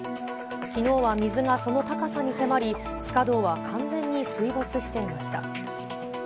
きのうは水がその高さに迫り、地下道は完全に水没していました。